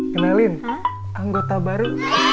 kenalin anggota baru